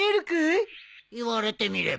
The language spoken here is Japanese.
言われてみれば。